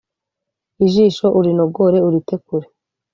ijisho urinogore urite kure